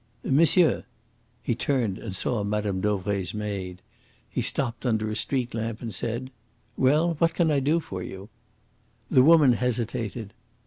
"Monsieur!" He turned and saw Mme. Dauvray's maid. He stopped under a street lamp, and said: "Well, what can I do for you?" The woman hesitated.